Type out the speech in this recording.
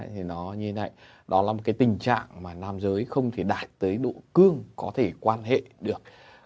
thì nó như này đó là một cái tình trạng mà nam giới không thể đạt tới độ cương có thể quan hệ được